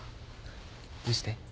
どうして？